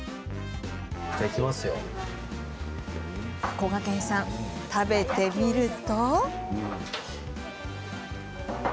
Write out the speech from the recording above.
こがけんさん、食べてみると。